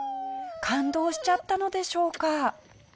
感動しちゃったのでしょうか？